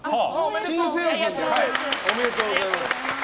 おめでとうございます。